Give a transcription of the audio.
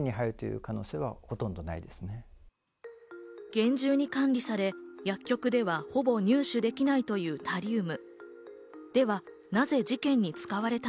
厳重に管理され、薬局ではほぼ入手できないというタリウム。